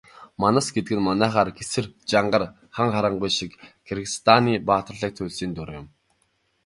Манас гэдэг нь манайхаар Гэсэр, Жангар, Хан Харангуй шиг Киргизстаны баатарлаг туульсын дүр.